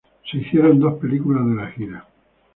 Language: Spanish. Se hicieron dos películas de la gira.